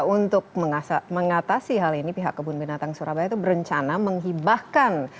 untuk mengatasi hal ini pihak kebun binatang surabaya itu berencana menghibahkan